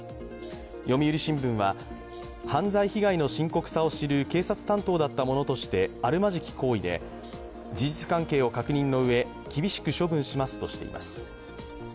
読売新聞は、犯罪被害の深刻さを知る警察担当だった者としてあるまじき行為で、事実関係を確認のうえ、厳しく処分しますとしています。